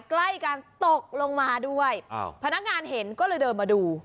ใกล้กันตกลงมาด้วยพนักงานเห็นก็เลยเดินมาดู